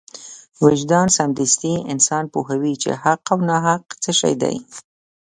وجدان سمدستي انسان پوهوي چې حق او ناحق څه شی دی.